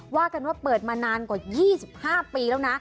ว่ากันว่าเปิดมานานกว่า๒๕ปีแล้วนะ